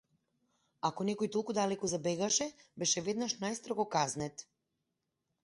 Ако некој толку далеку забегаше беше веднаш најстрого казнет.